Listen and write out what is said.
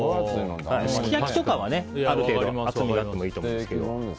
すき焼きとかは、ある程度厚みがあってもいいと思いますけど。